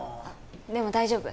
でも大丈夫。